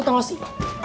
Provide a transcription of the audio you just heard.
lo tau ga sih